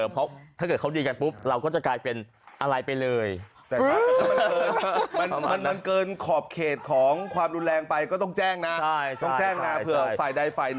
เพราะถ้าเกิดเขาดีกันปุ๊บเราก็จะกลายเป็นอะไรไปเลย